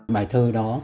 bài thơ đó